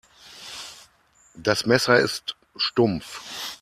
Das Messer ist stumpf.